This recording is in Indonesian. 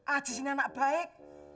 ajis ini anak baik